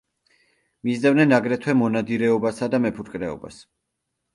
მისდევდნენ აგრეთვე მონადირეობასა და მეფუტკრეობას.